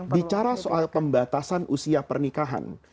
bicara soal pembatasan usia pernikahan